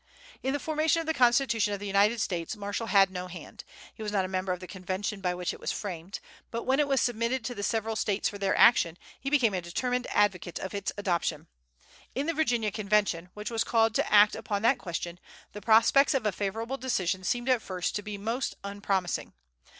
In the formation of the Constitution of the United States Marshall had no hand; he was not a member of the convention by which it was framed; but when it was submitted to the several States for their action, he became a determined advocate of its adoption. In the Virginia convention, which was called to act upon that question, the prospects of a favorable decision seemed at first to be most unpromising.